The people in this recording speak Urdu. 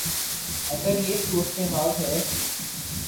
اگر یہ صورتحال ہے۔